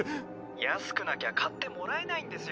安くなきゃ買ってもらえないんですよ。